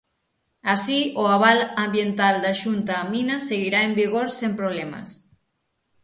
Así, o aval ambiental da Xunta á mina seguirá en vigor sen problemas.